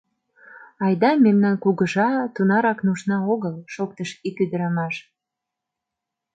— Айда, мемнан кугыжа тунарак нужна огыл, — шоктыш ик ӱдырамаш.